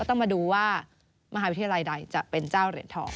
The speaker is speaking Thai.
ต้องมาดูว่ามหาวิทยาลัยใดจะเป็นเจ้าเหรียญทอง